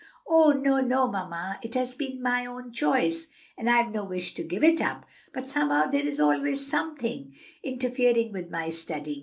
"Oh, no, no, mamma! it has been my own choice, and I've no wish to give it up; but somehow there is always something interfering with my studying.